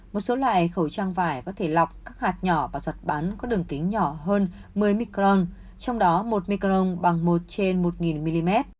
một số loại khẩu trang vải có thể lọc các hạt nhỏ và giọt bán có đường kính nhỏ hơn một mươi micron trong đó một micron bằng một trên một mm